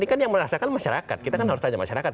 masyarakat kan masyarakat kita kan harus tanya masyarakat